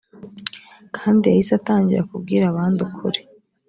kandi yahise atangira kubwira abandi ukuri